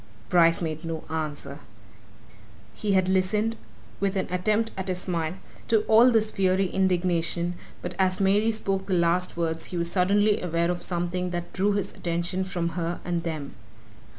Bryce made no answer. He had listened, with an attempt at a smile, to all this fiery indignation, but as Mary spoke the last words he was suddenly aware of something that drew his attention from her and them.